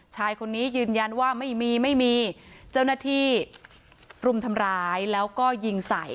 ชายคนนี้ยืนยันว่าไม่มีไม่มีเจ้าหน้าที่รุมทำร้ายแล้วก็ยิงใส่